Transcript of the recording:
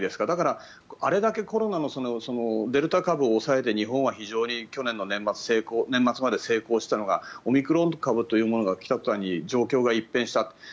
だから、あれだけコロナのデルタ株を抑えて日本は非常に去年の年末まで成功していたのがオミクロン株というものが来たとたんに状況が一変したと。